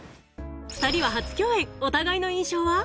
２人は初共演お互いの印象は？